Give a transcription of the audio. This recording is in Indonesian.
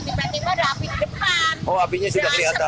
tiba tiba ada api di depan oh apinya sudah kelihatan